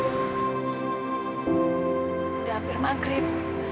udah hampir maghrib